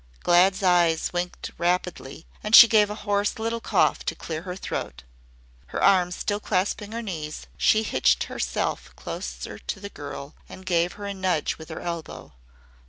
Glad's eyes winked rapidly and she gave a hoarse little cough to clear her throat. Her arms still clasping her knees, she hitched herself closer to the girl and gave her a nudge with her elbow.